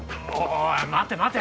おい待て待て！